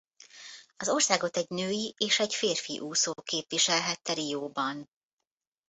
Az országot egy női és egy férfi úszó képviselhette Rióban.